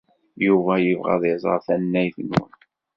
Yuba yebɣa ad iẓer tannayt-nwen.